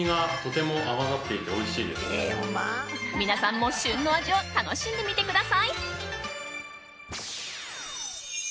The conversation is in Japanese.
皆さんも旬の味を楽しんでみてください。